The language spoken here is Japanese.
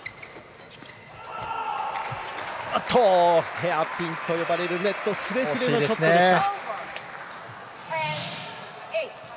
ヘアピンと呼ばれるネットすれすれのショットでした。